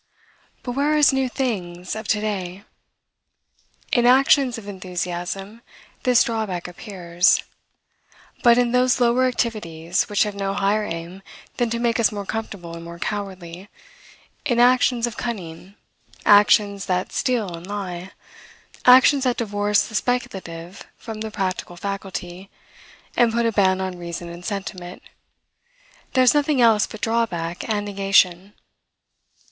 But where are his new things of today? In actions of enthusiasm, this drawback appears: but in those lower activities, which have no higher aim than to make us more comfortable and more cowardly, in actions of cunning, actions that steal and lie, actions that divorce the speculative from the practical faculty, and put a ban on reason and sentiment, there is nothing else but drawback and negation.